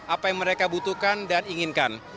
apa yang mereka butuhkan dan inginkan